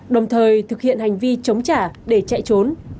đồng thời thực hiện hành vi chống trả để chạy trốn